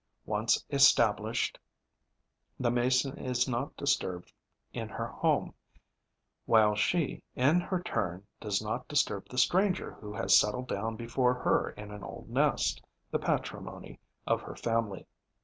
Once established, the Mason is not disturbed in her home, while she, in her turn, does not disturb the stranger who has settled down before her in an old nest, the patrimony of her family.